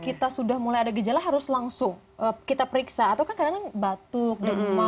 kita sudah mulai ada gejala harus langsung kita periksa atau kan kadang kadang batuk demam